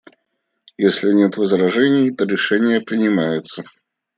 Если нет возражений, то решение принимается.